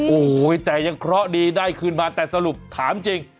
โอ้โหแต่ยังเคราะห์ดีได้คืนมาแต่สรุปถามจริง